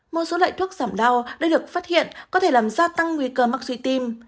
một số loại thuốc giảm đau đã được phát hiện có thể làm gia tăng nguy cơ mắc suy tim